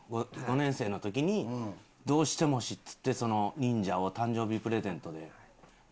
５年生の時にどうしても欲しいっつってそのニンジャを誕生日プレゼントでもらって。